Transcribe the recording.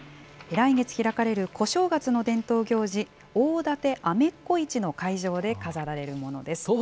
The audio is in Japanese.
来月開かれる小正月の伝統行事、大館アメッコ市の会場で飾られるものです。